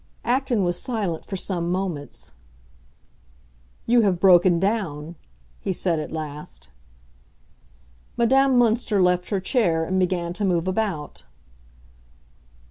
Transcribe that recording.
Acton was silent for some moments. "You have broken down," he said at last. Madame Münster left her chair, and began to move about.